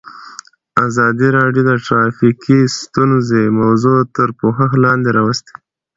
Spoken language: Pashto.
ازادي راډیو د ټرافیکي ستونزې موضوع تر پوښښ لاندې راوستې.